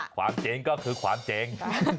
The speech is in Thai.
ความเจ๋งก็คือความเจ๋ง